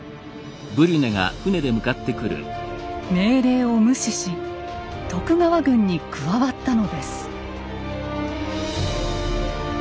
命令を無視し徳川軍に加わったのです。